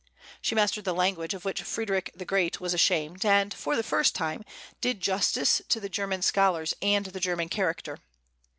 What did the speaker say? She mastered the language of which Frederick the Great was ashamed, and, for the first time, did justice to the German scholars and the German character.